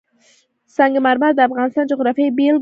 سنگ مرمر د افغانستان د جغرافیې بېلګه ده.